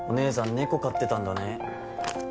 猫飼ってたんだね